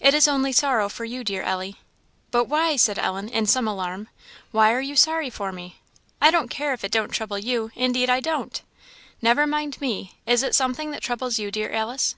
"It is only sorrow for you, dear Ellie." "But why?" said Ellen, in some alarm; "why are you sorry for me? I don't care if it don't trouble you, indeed I don't? Never mind me; is it something that troubles you, dear Alice?"